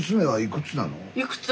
いくつ？